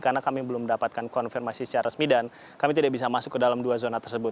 karena kami belum mendapatkan konfirmasi secara resmi dan kami tidak bisa masuk ke dalam dua zona tersebut